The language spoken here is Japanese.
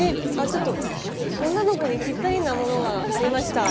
ちょっと女の子にぴったりなものがありました。